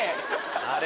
あれ？